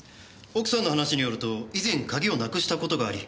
奥さんの話によると以前鍵をなくした事があり